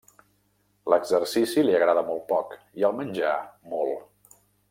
L'exercici li agrada molt poc i el menjar molt.